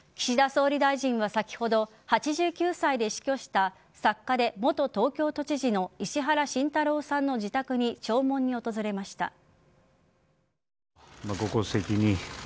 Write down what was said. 岸田総理大臣は先ほど８９歳で死去した作家で元東京都知事の石原慎太郎さんの自宅に弔問に訪れました。